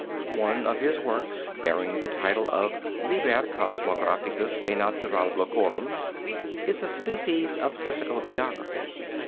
One of his works bearing the title of 'Liber Cosmographicus de Natura Locorum,' is a species of physical geography.